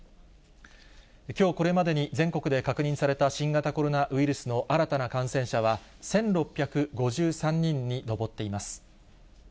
きょう、これまでに全国で確認された新型コロナウイルスの新たな感染者は１６５３人に上っています。